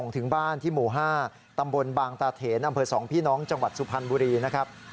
ขณะที่นับรับนางสุรินฯเฟื้องนครอายุ๕๘ปีจากโรงพยาบาลไปส่งถึงบ้านที่หมู่๕ตำบลบางตาเถนอำเภอ๒พี่น้องจังหวัดสุพรรณบุรีนะครับ